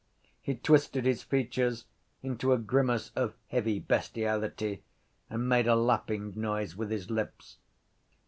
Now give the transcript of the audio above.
He twisted his features into a grimace of heavy bestiality and made a lapping noise with his lips.